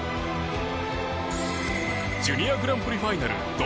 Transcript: ジュニアグランプリファイナル銅